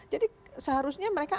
jadi seharusnya mereka